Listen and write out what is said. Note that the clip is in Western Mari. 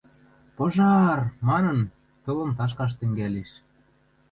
Пожар!» – манын, тылым ташкаш тӹнгӓлеш.